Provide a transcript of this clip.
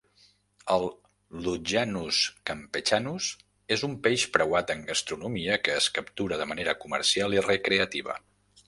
El lutjanus campechanus és un peix preuat en gastronomia que es captura de manera comercial i recreativa.